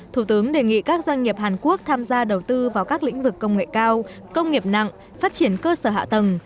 thủ tướng đề nghị các doanh nghiệp hàn quốc tham gia đầu tư vào các lĩnh vực công nghệ cao công nghiệp nặng phát triển cơ sở hạ tầng